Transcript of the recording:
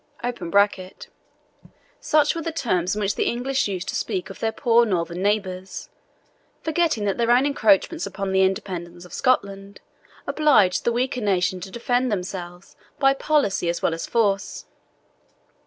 [Such were the terms in which the English used to speak of their poor northern neighbours, forgetting that their own encroachments upon the independence of Scotland obliged the weaker nation to defend themselves by policy as well as force.